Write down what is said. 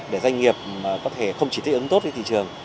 để doanh nghiệp có thể không chỉ thích ứng tốt với thị trường